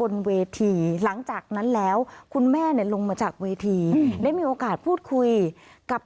บนเวทีหลังจากนั้นแล้วคุณแม่เนี่ยลงมาจากเวทีได้มีโอกาสพูดคุยกับ